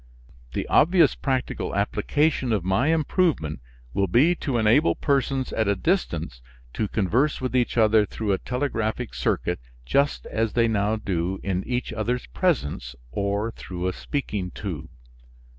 The obvious practical application of my improvement will be to enable persons at a distance to converse with each other through a telegraphic circuit, just as they now do in each other's presence, or through a speaking tube.